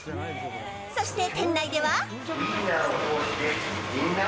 そして店内では。